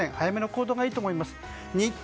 早めの行動がいいと思います。